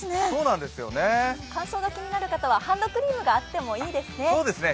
乾燥が気になる方はハンドクリームがあってもいいですね。